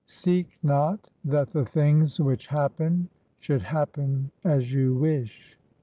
"Seek not that the things which happen should happen as you wish."